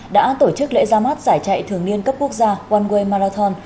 đã tổ chức lễ ra mắt giải trại thường niên cấp quốc gia one way marathon